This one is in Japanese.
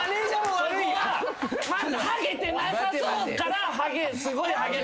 そこはまずハゲてなさそうからすごいハゲに。